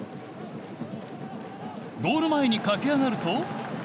ゴール前に駆け上がると。